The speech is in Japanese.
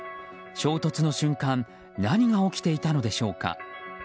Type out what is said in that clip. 衝突の瞬間何が起きていたのでしょうか。